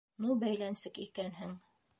Ну, бәйләнсек икәнһең...